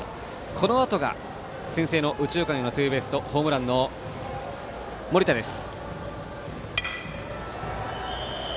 このあとが先制の右中間へのツーベースとホームランの森田です。